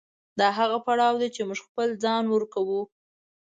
دا هغه پړاو دی چې موږ خپل ځان ورکوو.